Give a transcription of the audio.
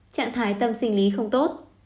trạng thái tâm sinh lý không tốt